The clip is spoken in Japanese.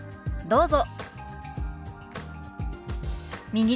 どうぞ。